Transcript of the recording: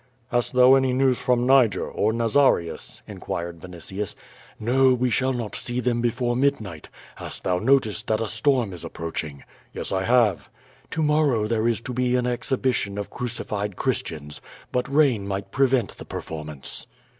"Hast thou any news from Niger, or Nazarius?" inquired Vinitius. "No; we shall not see them before midnight. Hast thou noticed that a storm is approaching?" "Yes, I have." "To morrow there is to be an exhibition of crucified Chris tians, but rain might prevent the performance."